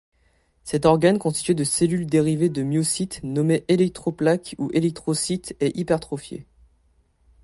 Cet organe constitué de cellules dérivées de myocyte, nommées électroplaques ou électrocyte, est hypertrophié.